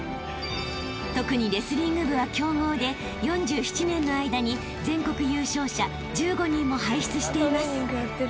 ［特にレスリング部は強豪で４７年の間に全国優勝者１５人も輩出しています］